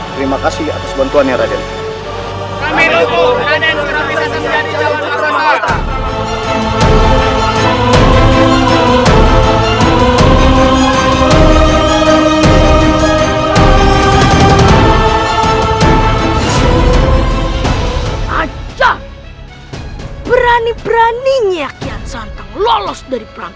terima kasih atas bantuan ya raden